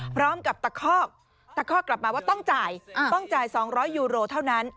พร้อมกับตะคอกตะคอกกลับมาว่าต้องจ่ายต้องจ่าย๒๐๐ยูโรเท่านั้น